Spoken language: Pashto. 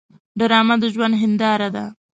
ډرامه د ژوند هنداره ده